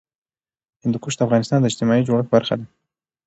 هندوکش د افغانستان د اجتماعي جوړښت برخه ده.